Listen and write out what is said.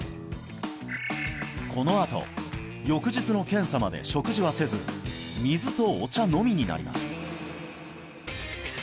このあと翌日の検査まで食事はせず水とお茶のみになります